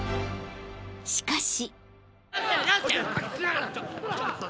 ［しかし］